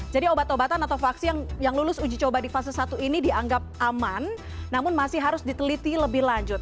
jadi obat obatan atau vaksin yang lulus uji coba di fase satu ini dianggap aman namun masih harus diteliti lebih lanjut